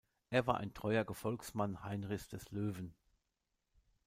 Er war ein treuer Gefolgsmann Heinrichs des Löwen.